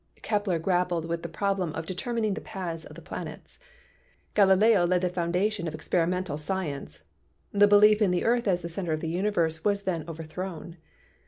Kepler grappled with the problem of determining the paths of the planets. Galileo laid the foundation of experimental sci ence. The belief in the earth as the center of the universe was then overthrown.